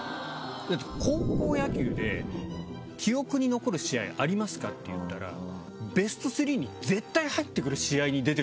「高校野球で記憶に残る試合ありますか？」っていったらベスト３に絶対入ってくる試合に出てるんですよ